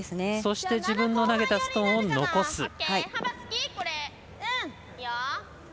そして、自分の投げたストーンを残す。